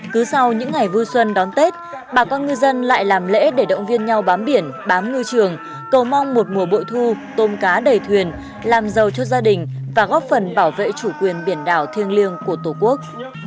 cứ sau những ngày vui xuân đón tết bà con ngư dân lại làm lễ để động viên nhau bám biển bám ngư trường cầu mong một mùa bội thu tôm cá đầy thuyền làm giàu cho gia đình và góp phần bảo vệ chủ quyền biển đảo thiêng liêng của tổ quốc